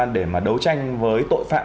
để mà đấu tranh với tội phạm